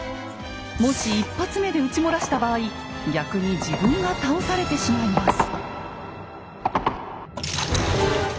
もし１発目で撃ち漏らした場合逆に自分が倒されてしまいます。